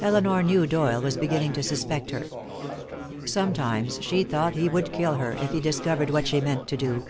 Elinor knew Doyle was beginning to suspect her. Sometimes she thought he would kill her, if he discovered what she meant to do.